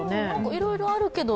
いろいろあるけど。